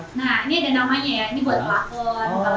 nah ini ada namanya ya ini buat pelafon